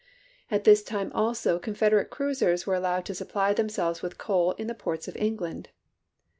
At this time also Confederate cruisers were allowed to supply themselves with coal in the ports of England.